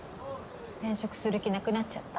転職する気なくなっちゃった？